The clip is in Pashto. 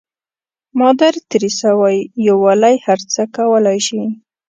مادر تریسا وایي یووالی هر څه کولای شي.